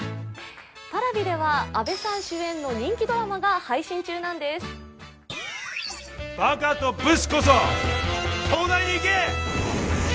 Ｐａｒａｖｉでは阿部さん主演の人気ドラマが配信中なんですバカとブスこそ東大に行け！